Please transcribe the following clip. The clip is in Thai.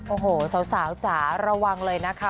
โอ้โหสาวจ๋าระวังเลยนะคะ